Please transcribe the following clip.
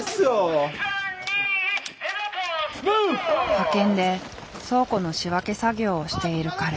派遣で倉庫の仕分け作業をしている彼。